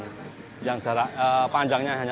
jempa ringan diperkosa dengan jempa ringan